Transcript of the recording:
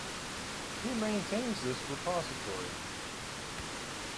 Who maintains this repository?